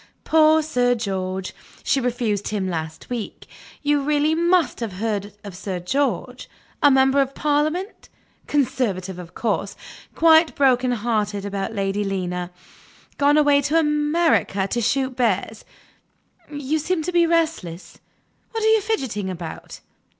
Poor Sir George she refused him last week; you really must have heard of Sir George; our member of parliament; conservative of course; quite broken hearted about Lady Lena; gone away to America to shoot bears. You seem to be restless. What are you fidgeting about?